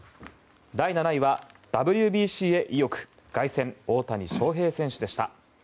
第７位はＷＢＣへ意欲凱旋、大谷翔平選手でした。